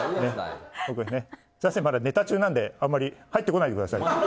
すみません、まだネタ中なんであんまり入ってこないでください。